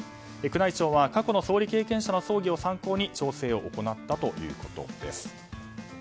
宮内庁は過去の総理経験者の葬儀を参考に調整を行ったということです。